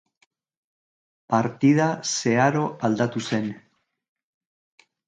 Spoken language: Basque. Partida zeharo aldatu zen.